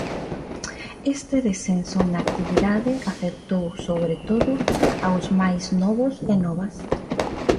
Este descenso na actividade afectou sobre todo aos máis novos e novas.